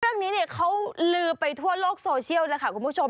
เรื่องนี้เนี่ยเขาลือไปทั่วโลกโซเชียลแล้วค่ะคุณผู้ชม